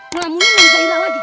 ngelamunin muzailah lagi